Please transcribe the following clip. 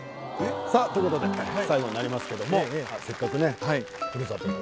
さぁということで最後になりますけどもせっかくね。